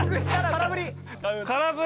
空振り。